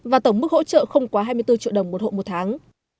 và tổng mức hỗ trợ không quá hai mươi bốn triệu đồng một hộ một tháng